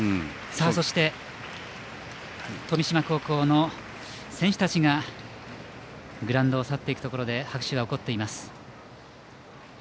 そして富島高校の選手たちがグラウンドを去っていくところで拍手が起こっていました。